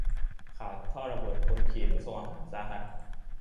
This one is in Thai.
ข่าวท่อระเบิดคนขี่รถส่งอาหารสาหัส